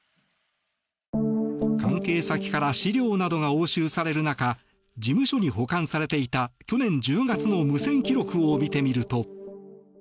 関係先から資料などが押収される中事務所に保管されていた去年１０月の無線記録を見てみると。